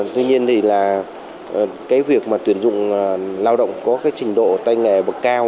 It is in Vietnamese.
tuy nhiên việc tuyển dụng lao động có trình độ tay nghề bậc cao